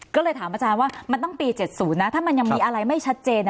ก็เลยถามอาจารย์ว่ามันต้องปี๗๐นะถ้ามันยังมีอะไรไม่ชัดเจน